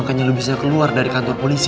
makanya lo bisa keluar dari kantor polisi